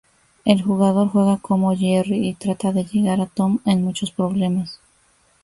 El jugador juega como Jerry y trata de llegar a Tom en muchos problemas.